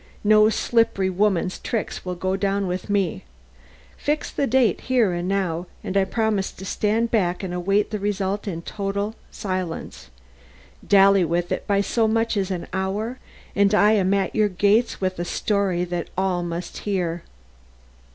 No slippery woman's tricks will go down with me. Fix the date here and now and I promise to stand back and await the result in total silence. Dally with it by so much as an hour, and I am at your gates with a story that all must hear."